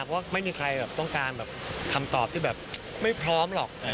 เพราะไม่มีใครต้องการแบบคำตอบที่แบบไม่พร้อมหรอก